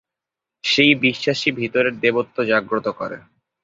সেই বিশ্বাসই ভিতরের দেবত্ব জাগ্রত করে।